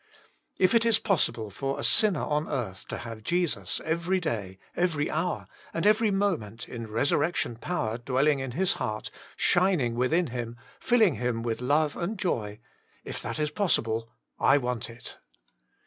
If it is possible for a sinner on earth to have Jesus ev* 26 JtBu* Himself, ery day, every hour, and every moment in resurrection power dwelling in his heart, shining within him, filling him with love and joy, — if that is possible, I want it.